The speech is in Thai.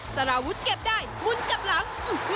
สารวุฒิเก็บได้มุนกลับหลัง